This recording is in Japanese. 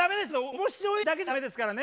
面白いだけじゃ駄目ですからね。